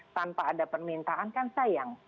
tanpa ada permintaan kan sayang